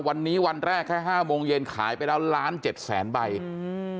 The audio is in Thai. วันนี้วันแรกแค่ห้าโมงเย็นขายไปแล้วล้านเจ็ดแสนใบอืม